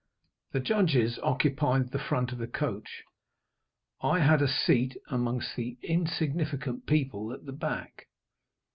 The judges occupied the front of the coach. I had a seat among the insignificant people at the back.